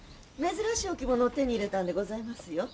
珍しい置物を手に入れたんでございますよ。